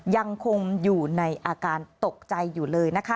ยังคงอยู่ในอาการตกใจอยู่เลยนะคะ